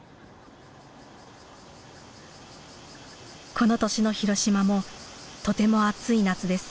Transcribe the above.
この年の広島もとても暑い夏です。